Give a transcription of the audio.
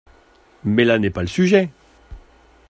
Mais là n’est pas le sujet.